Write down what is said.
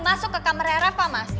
masuk ke kamarnya reva mas